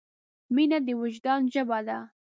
مینه د وجدان ژبه ده.